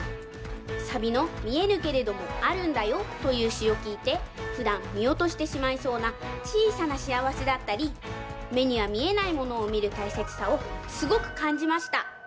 サビの「見えぬけれどもあるんだよ」というしをきいてふだんみおとしてしまいそうなちいさなしあわせだったりめにはみえないものをみるたいせつさをすごくかんじました。